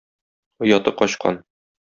Ояты качкан